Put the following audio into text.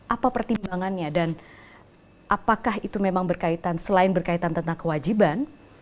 apa pertimbangannya dan apakah itu memang berkaitan selain berkaitan tentang kewajiban